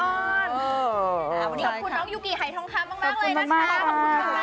ขอบคุณน้องยูกิไฮท้องค่ำมากเลยนะคะ